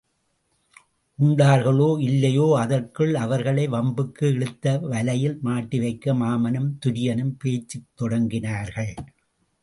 உண்டார்களோ இல்லையோ அதற்குள் அவர்களை வம்புக்கு இழுத்து வலையில் மாட்டிவைக்க மாமனும் துரியனும் பேச்சுத் தொடங்கினார்கள்.